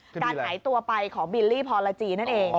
การหายตัวไปของบิลลี่พรจีนั่นเอง